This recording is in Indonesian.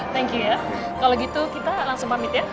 thank you ya kalau gitu kita langsung pamit ya